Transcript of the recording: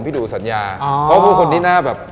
พี่ดูศันยาเพราะพวกนี้หน้าแบบ